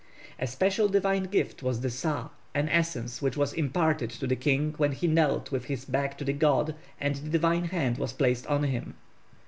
A special divine gift was the sa, an essence which was imparted to the king when he knelt with his back to the god and the divine hand was placed on him.